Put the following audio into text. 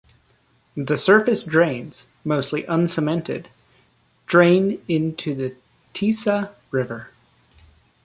The surface drains, mostly uncemented, drain into the Teesta River.